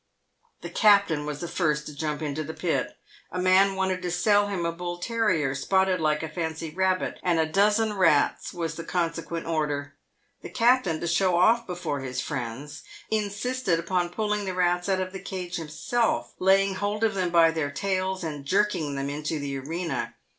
The captain was the first to jump into the pit. A man wanted to sell him a bull terrier, spotted like a fancy rabbit, and a dozen rats was the consequent order. The captain, to show off before his friends, insisted upon pulling the rats out of the cage himself, laying hold of them by their tails and jerking them into the arena.